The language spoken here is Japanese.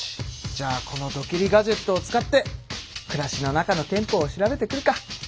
じゃあこのドキリ・ガジェットを使って暮らしの中の憲法を調べてくるか。